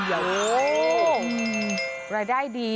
โอ้โหรายได้ดี